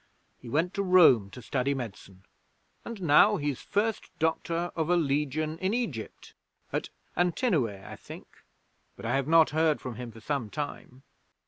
He went to Rome to study medicine, and now he's First Doctor of a Legion in Egypt at Antinoe, I think, but I have not heard from him for some time.